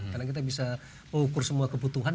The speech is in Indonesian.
karena kita bisa mengukur semua kebutuhan